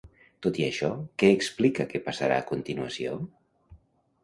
Tot i això, què explica que passarà a continuació?